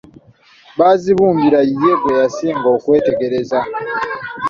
Bazibumbira ye gwe yasinga okwetegereza.